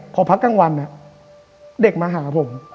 พอพักกลางวันเด็กมาหาผม